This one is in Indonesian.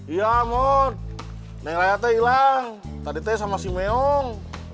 iya mur neng raya teh hilang tadi teh sama si meong